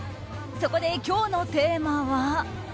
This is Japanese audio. そこで今日のテーマは。